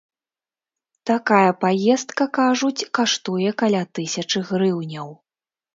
Такая паездка, кажуць, каштуе каля тысячы грыўняў.